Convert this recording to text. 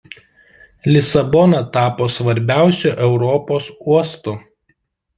Lisabona tapo svarbiausiu Europos uostu.